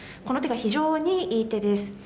この手が非常にいい手です。